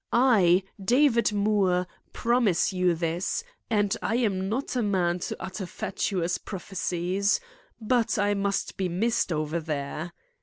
I, David Moore, promise you this; and I am not a man to utter fatuous prophecies. But I must be missed over there."